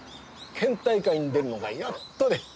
県大会に出るのがやっとで。